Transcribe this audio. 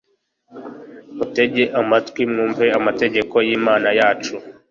mutege amatwi mwumve amategeko y'Imana yacu,